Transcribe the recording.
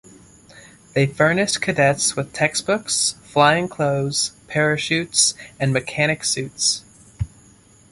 They furnished cadets with textbooks, flying clothes, parachutes, and mechanic suits.